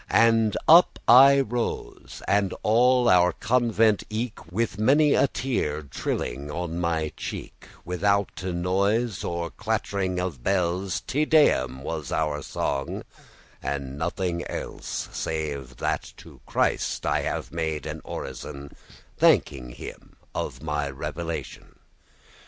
<12> And up I rose, and all our convent eke, With many a teare trilling on my cheek, Withoute noise or clattering of bells, Te Deum was our song, and nothing else, Save that to Christ I bade an orison, Thanking him of my revelation.